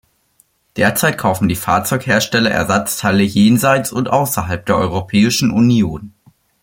Derzeit kaufen die Fahrzeughersteller Ersatzteile jenseits und außerhalb der Europäischen Union.